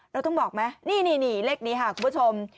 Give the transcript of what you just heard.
เราต้องบอกไหมนี่เลขนี้ค่ะคุณผู้ชม